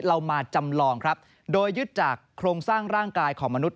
เรามาจำลองครับโดยยึดจากโครงสร้างร่างกายของมนุษย